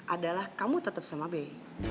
adalah kamu tetap sama be